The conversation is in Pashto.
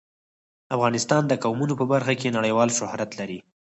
افغانستان د قومونه په برخه کې نړیوال شهرت لري.